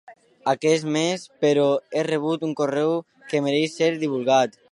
Aquest mes, però, he rebut un correu que mereix ser divulgat.